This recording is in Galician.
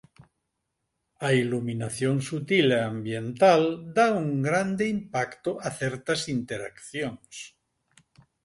A iluminación sutil e ambiental dá un grande impacto a certas interaccións.